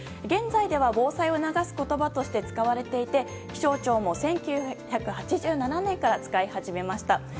現在では防災を促す言葉として使われていて気象庁も１９８７年から使い始めました。